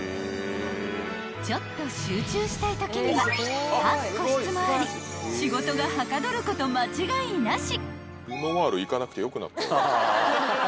［ちょっと集中したいときには半個室もあり仕事がはかどること間違いなし］